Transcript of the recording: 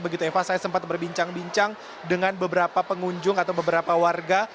begitu eva saya sempat berbincang bincang dengan beberapa pengunjung atau beberapa warga